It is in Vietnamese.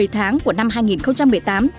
một mươi tháng của năm hai nghìn một mươi tám